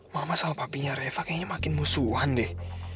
mama sama papanya reva kayaknya makin musuhan deh